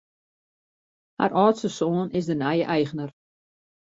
Har âldste soan is de nije eigner.